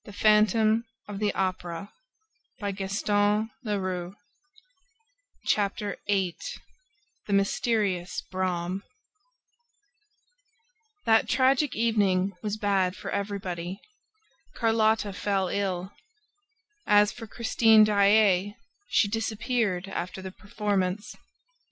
Chapter VIII The Mysterious Brougham That tragic evening was bad for everybody. Carlotta fell ill. As for Christine Daae, she disappeared after the performance.